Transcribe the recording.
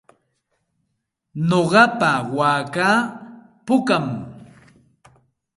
Nuqapa waakaa pukam.